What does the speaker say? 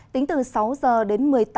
tính từ sáu h đến một mươi tám h